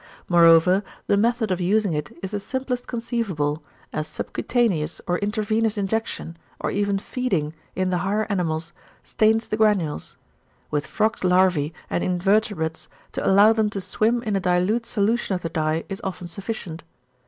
Moreover the method of using it is the simplest conceivable, as subcutaneous or intravenous injection, or even feeding, in the higher animals stains the granules; with frog's larvæ and invertebrates, to allow them to swim in a dilute solution of the dye is often sufficient.